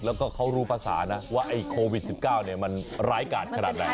แล้วก็เขารู้ภาษาน่ะว่าไอ้โควิดสิบเก้าเนี่ยมันร้ายกาศขนาดไหน